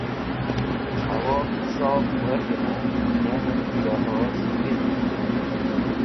Hawoki Sof Werg̃hne, Yanep Johoz wizit